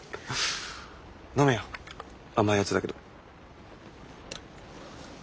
飲めよ甘いヤツだけど。